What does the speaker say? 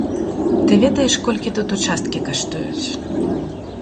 Ты ведаеш, колькі тут участкі каштуюць?